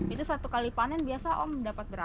itu satu kali panen biasa om dapat beras